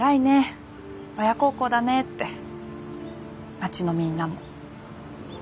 町のみんなも。